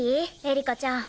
エリカちゃん。